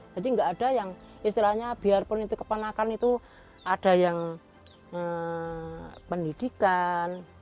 jadi gak ada yang istilahnya biarpun itu kepanakan itu ada yang pendidikan